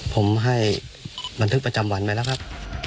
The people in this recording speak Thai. ผมให้บันทึกประจำวันไว้แล้วครับ